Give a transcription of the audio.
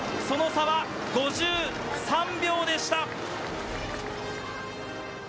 その差は５３秒でした。